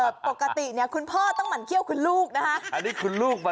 อ่อปกติเนี่ยคุณพ่อต้องหมั่นเคียวคุณลูกนะคะ